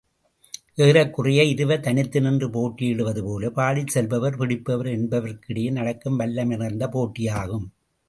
ஏறக்குறைய இருவர் தனித்து நின்று போட்டியிடுவது போல, பாடிச் செல்பவர், பிடிப்பவர் என்பவருக்கிடையே நடக்கும் வல்லமை நிறைந்த போட்டியாகும்.